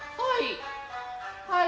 はい。